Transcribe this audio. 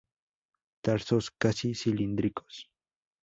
Tarsos casi cilíndricos.